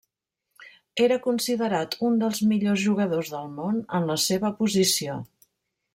Era considerat un dels millors jugadors del món en la seva posició.